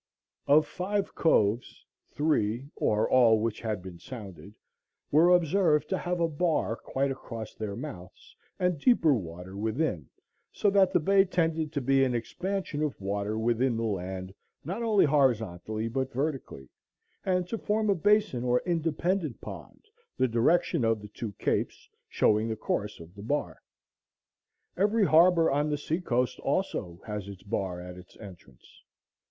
Of five coves, three, or all which had been sounded, were observed to have a bar quite across their mouths and deeper water within, so that the bay tended to be an expansion of water within the land not only horizontally but vertically, and to form a basin or independent pond, the direction of the two capes showing the course of the bar. Every harbor on the sea coast, also, has its bar at its entrance.